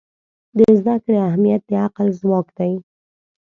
د زده کړې اهمیت د عقل ځواک دی.